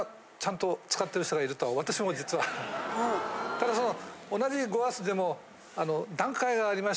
ただその。